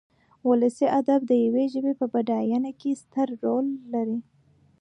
ولسي ادب د يوې ژبې په بډاينه کې ستر رول لري.